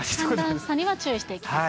寒暖差には注意していきたいと。